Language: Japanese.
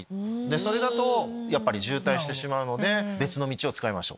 それだと渋滞してしまうので別の道を使いましょう。